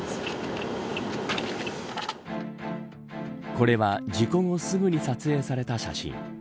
これは、事故後すぐに撮影された写真。